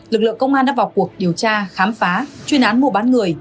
lực lượng công an đã vào cuộc điều tra khám phá chuyên án mua bán người